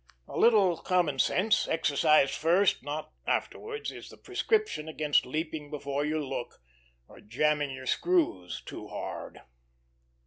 A little common sense exercised first, not afterwards is the prescription against leaping before you look, or jamming your screws too hard.